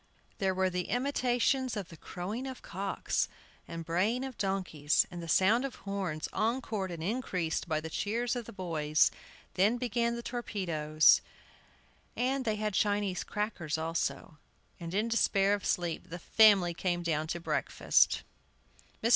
There were the imitations of the crowing of cocks, and braying of donkeys, and the sound of horns, encored and increased by the cheers of the boys. Then began the torpedoes, and the Antiques and Horribles had Chinese crackers also. And, in despair of sleep, the family came down to breakfast. Mrs.